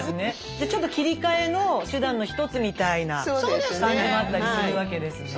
じゃちょっと切り替えの手段の一つみたいな感じもあったりするわけですね。